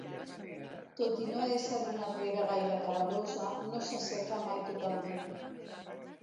Tot i no ésser una riera gaire cabalosa, no s'asseca mai totalment.